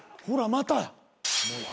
「またや」